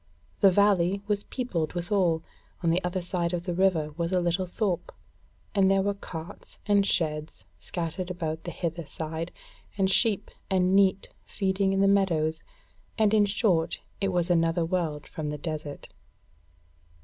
The valley was peopled withal: on the other side of the river was a little thorp, and there were carts and sheds scattered about the hither side, and sheep and neat feeding in the meadows, and in short it was another world from the desert.